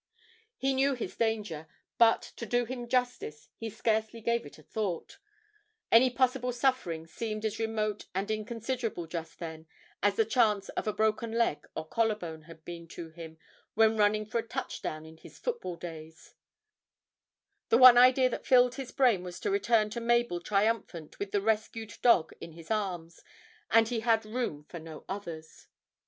He knew his danger, but, to do him justice, he scarcely gave it a thought any possible suffering seemed as remote and inconsiderable just then as the chance of a broken leg or collar bone had been to him when running for a touchdown in his football days; the one idea that filled his brain was to return to Mabel triumphant with the rescued dog in his arms, and he had room for no others.